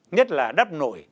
nhất là đắp nổi